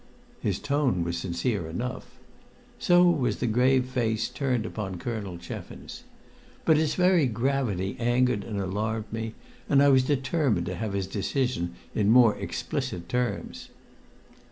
His tone was sincere enough. So was the grave face turned upon Colonel Cheffins. But its very gravity angered and alarmed me, and I was determined to have his decision in more explicit terms.